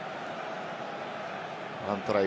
１トライ